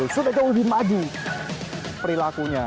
sudah jauh dimagi perilakunya